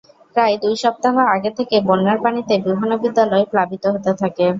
প্রায় দুই সপ্তাহ আগে থেকে বন্যার পানিতে বিভিন্ন বিদ্যালয় প্লাবিত হতে থাকে।